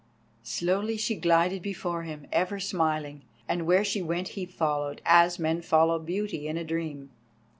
Slowly she glided before him, ever smiling, and where she went he followed, as men follow beauty in a dream.